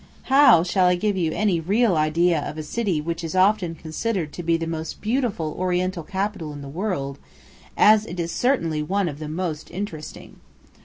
How shall I give you any real idea of a city which is often considered to be the most beautiful Oriental capital in the world, as it is certainly one of the most interesting?